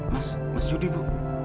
mas mas jodi bu